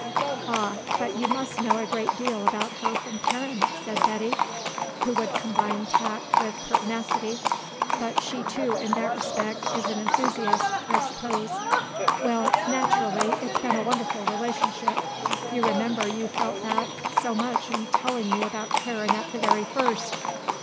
"Ah but you must know a great deal about her from Karen," said Betty, who could combine tact with pertinacity; "but she, too, in that respect, is an enthusiast, I suppose." "Well, naturally. It's been a wonderful relationship. You remember you felt that so much in telling me about Karen at the very first."